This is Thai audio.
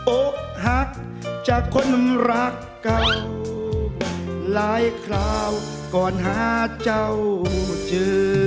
อกหักจากคนรักเก่าหลายคราวก่อนหาเจ้าเจอ